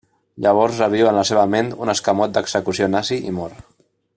Llavors reviu en la seva ment un escamot d'execució nazi i mor.